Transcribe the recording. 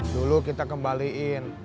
dulu kita kembaliin